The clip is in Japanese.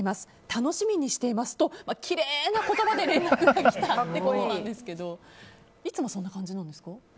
楽しみにしていますときれいな言葉で連絡がきたということですけどいつもそんな感じなんですか？